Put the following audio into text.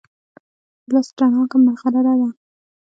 د لاس تڼاکه ملغلره ده.